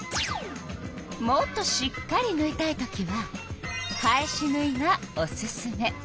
もっとしっかりぬいたいときは返しぬいがおすすめ。